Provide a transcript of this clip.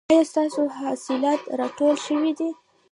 ایا ستاسو حاصلات راټول شوي دي؟